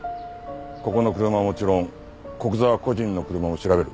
ここの車はもちろん古久沢個人の車も調べる。